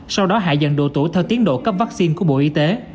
sau đó hạ dần độ tuổi theo tiến độ cấp vaccine của bộ y tế